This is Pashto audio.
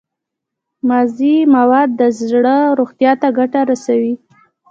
مغذي مواد د زړه روغتیا ته ګټه رسوي.